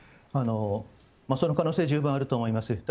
その可能性は十分あると思います。